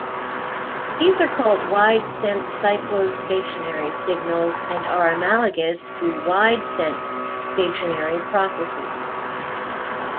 These are called wide-sense cyclostationary signals, and are analogous to wide-sense stationary processes.